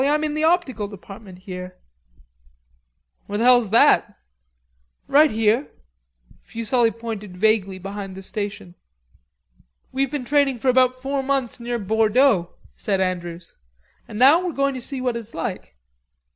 "I'm in the optical department here." "Where the hell's that?" "Right here." Fuselli pointed vaguely behind the station. "We've been training about four months near Bordeaux," said Andrews; "and now we're going to see what it's like."